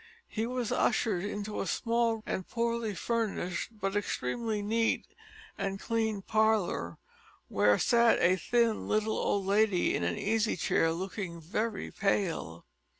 He was ushered into a small and poorly furnished but extremely neat and clean parlour, where sat a thin little old lady in an easy chair, looking very pale.